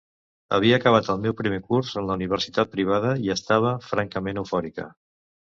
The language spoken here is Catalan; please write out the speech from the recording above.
Havia acabat el meu primer curs en la universitat privada i estava, francament, eufòrica.